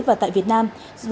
và tại việt nam